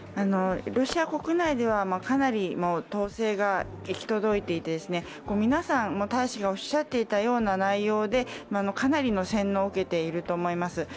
ロシア国内では、かなり統制が行き届いていて、皆さん、大使がおっしゃっていたような内容でかなりの洗脳を受けていると思います。